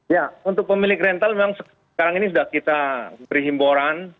ya untuk pemilik rental memang sekarang ini sudah kita beri himboran